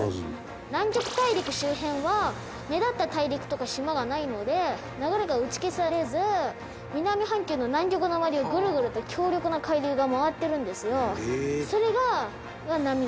南極大陸周辺は目立った大陸とか島がないので流れが打ち消されず南半球の南極の周りをグルグルと強力な海流が回ってるんですよ。